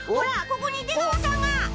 ここに出川さんが！